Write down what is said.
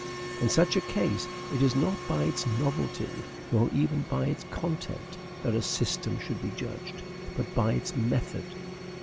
In such a case, it is not by its novelty, nor even by its content, that a system should be judged, but by its method.